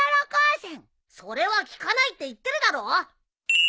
それは効かないって言ってるだろ。